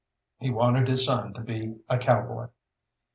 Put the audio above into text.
He wanted his son to be a cowboy.